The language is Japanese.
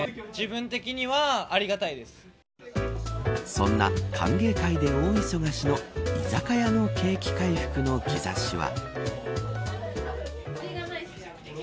そんな歓迎会で大忙しの居酒屋の景気回復の兆しは。